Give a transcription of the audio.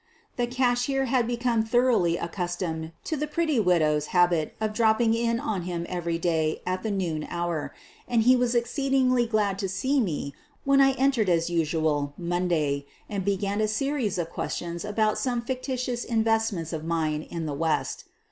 The cashier had become thoroughly accustomed to the "pretty widow V habit of dropping in on him every day at the noon hour, and he was ex ceedingly glad to see me when I entered as usual, Monday, and began a series of questions about some fictitious investments of mine in the West.